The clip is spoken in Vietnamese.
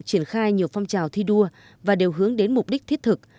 triển khai nhiều phong trào thi đua và đều hướng đến mục đích thiết thực